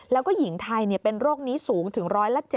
แล้วก็หญิงไทยเป็นโรคนี้สูงถึง๑๗๐